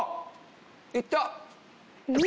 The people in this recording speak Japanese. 行った！